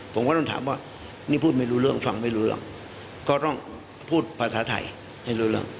ผมก็ต้องถามว่านี่พูดไม่รู้เรื่องฟังไม่รู้เรื่องก็ต้องพูดภาษาไทยให้รู้เรื่อง